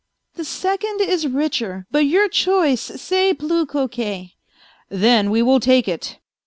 " The second is richer, but your choice c'est plus coquet." " Then we will take it."